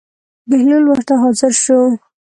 بهلول ورته حاضر شو.